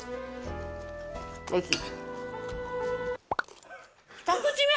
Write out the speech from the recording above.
おいしい。